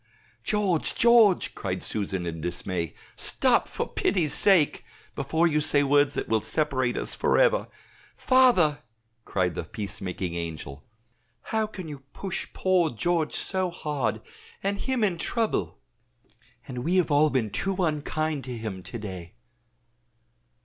"George, George!" cried Susan in dismay; "stop, for pity's sake, before you say words that will separate us forever. Father," cried the peace making angel, "how can you push poor George so hard and him in trouble! and we have all been too unkind to him to day."